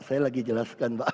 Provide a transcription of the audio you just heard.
saya lagi jelaskan pak